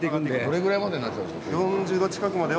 どれぐらいまでになっちゃうんですか？